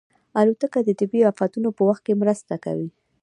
الوتکه د طبیعي افتونو په وخت مرسته کوي.